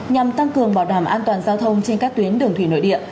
nhằm tăng cường bảo đảm an toàn giao thông trên các tuyến đường thủy nội địa